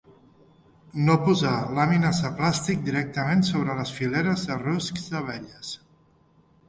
No posar làmines de plàstic directament sobre les fileres de ruscs d'abelles.